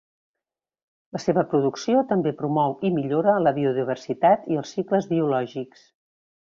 La seva producció també promou i millora la biodiversitat i els cicles biològics.